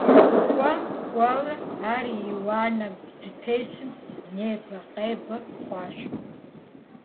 КӀуэм-кӀуэурэ, ар и уанэм здытесым небэ-къебэ хъуащ.